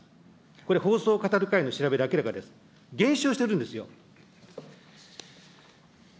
これ、放送をかたる会の調べで明らかです、減少してるんですよ。